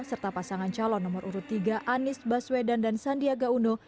serta pasangan calon nomor urut tiga anies baswedan dan sandiaga uno